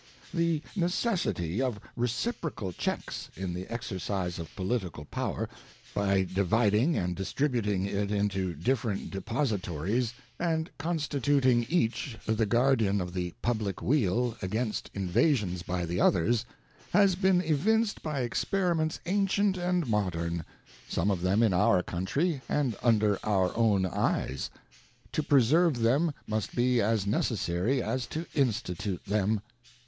ŌĆö The necessity of reciprocal checks in the exercise of political power, by dividing and distributing it into different depositories, and i8 WASHINGTON'S FAREWELL ADDRESS constituting each the Guardian of the Public Weal against invasions by the others, has been evinced by experiments ancient and modern ; some of them in our country and under our own eyes. ŌĆö To preserve them must be as necessary as to institute them.